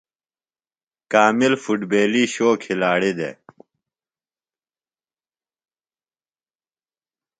کامل فُٹبیلی شو کِھلاڑیۡ دےۡ۔